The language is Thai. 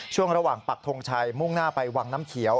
ช่วงระหว่างปักทงชัยมุ่งหน้าไปวังน้ำเขียว